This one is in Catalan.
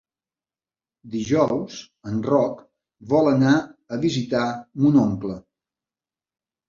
Dijous en Roc vol anar a visitar mon oncle.